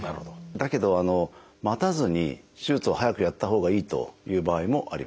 だけど待たずに手術を早くやったほうがいいという場合もあります。